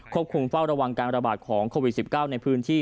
คงเฝ้าระวังการระบาดของโควิด๑๙ในพื้นที่